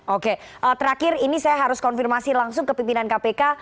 oke terakhir ini saya harus konfirmasi langsung ke pimpinan kpk